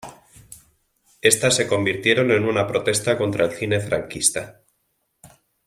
Estas se convirtieron en una protesta contra el cine franquista.